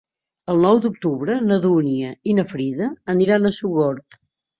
El nou d'octubre na Dúnia i na Frida aniran a Sogorb.